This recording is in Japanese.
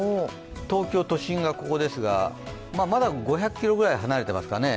東京都心がここですがまだ５００ｋｍぐらい離れてますかね。